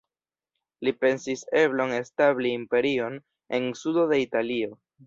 Li pensis eblon establi imperion en sudo de Italio.